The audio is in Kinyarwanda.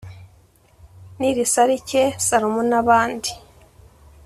Nirisalike Salomon n’abandi